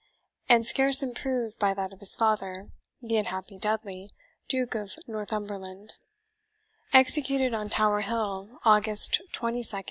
and scarce improved by that of his father, the unhappy Dudley, Duke of Northumberland, executed on Tower Hill, August 22, 1553.